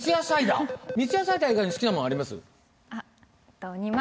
三ツ矢サイダー以外に好きなものあります？